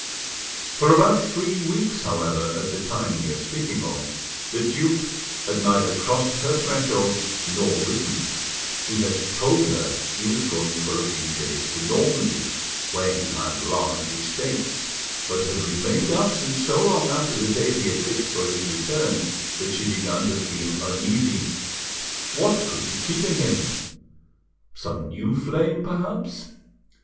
For about three weeks, however, at the time we are speaking of, the duke had neither crossed her threshold nor written. He had told her he was going for a few days to Normandy, where he had large estates, but had remained absent so long after the date he had fixed for his return that she began to feel uneasy. What could be keeping him? Some new flame, perhaps.